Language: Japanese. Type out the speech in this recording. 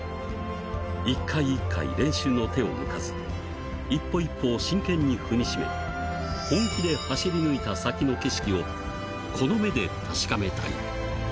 一回一回、練習の手を抜かず、一歩一歩を真剣に踏みしめ、本気で走り抜いた先の景色をこの目で確かめたい。